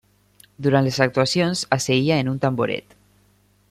Durant les actuacions, s'asseia en un tamboret.